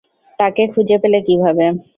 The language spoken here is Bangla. তাকে খুঁজে পেলে কীভাবে?